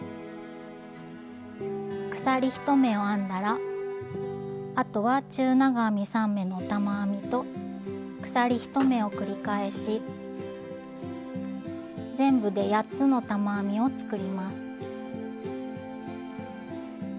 鎖１目を編んだらあとは中長編み３目の玉編みと鎖１目を繰り返し全部で８つの玉編みを作ります。